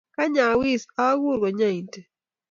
Kany awis akur kanyointe.